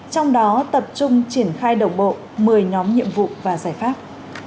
trong đó tập trung triển khai đồng bộ một mươi nhóm nhiệm vụ và giải pháp